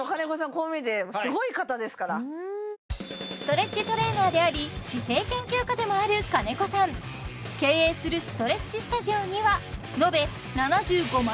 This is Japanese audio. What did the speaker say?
こう見えてすごい方ですからストレッチトレーナーであり姿勢研究家でもある兼子さん経営するストレッチスタジオにはのべ７５万